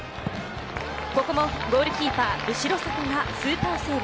ここもゴールキーパー、後迫がスーパーセーブ。